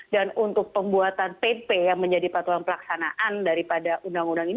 dan untuk pembuatan pp yang menjadi patulan pelaksanaan daripada undang undang ini